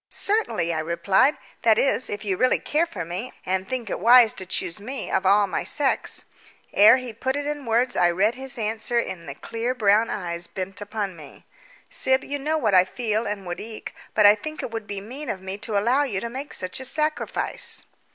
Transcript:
"Certainly," I replied. "That is, if you really care for me, and think it wise to choose me of all my sex." Ere he put it in words I read his answer in the clear brown eyes bent upon me. "Syb, you know what I feel and would like, but I think it would be mean of me to allow you to make such a sacrifice."